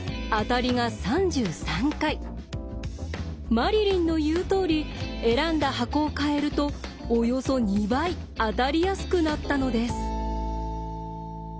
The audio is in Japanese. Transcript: マリリンの言うとおり選んだ箱を変えるとおよそ２倍当たりやすくなったのです。